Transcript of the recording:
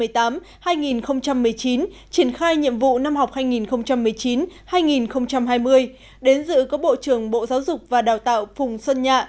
triển khai nhiệm vụ năm học hai nghìn một mươi chín hai nghìn hai mươi đến dự có bộ trưởng bộ giáo dục và đào tạo phùng xuân nhạ